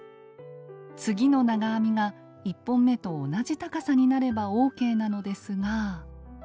次の長編みが１本目と同じ高さになればＯＫなのですが。